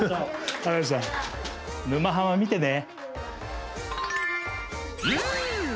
「沼ハマ」見てね！